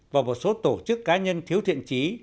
và một số tổ chức cá nhân thiếu thiện trí